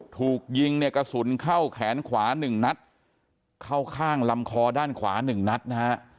ถูกยิงกระสุนเข้าแขนขวา๑นัดเข้าข้างลำคอด้านขวา๑นัดนะฮะ